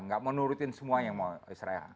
nggak mau nurutin semua yang mau israel